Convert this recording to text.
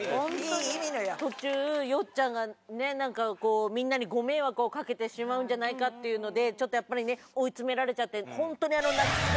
途中よっちゃんがねなんかこうみんなにご迷惑をかけてしまうんじゃないかっていうのでやっぱりね追い詰められちゃって本当に。